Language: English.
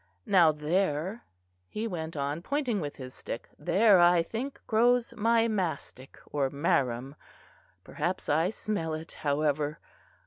Now there," he went on, pointing with his stick, "there I think grows my mastick or marum; perhaps I smell it, however.